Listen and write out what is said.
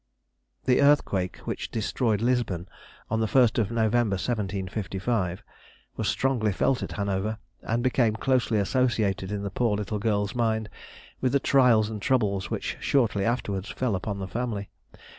The earthquake which destroyed Lisbon on the 1st November 1755, was strongly felt at Hanover, and became closely associated in the poor little girl's mind with the trials and troubles which shortly afterwards fell upon the family.